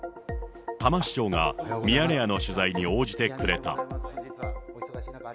多摩市長がミヤネ屋の取材に応じてくれた。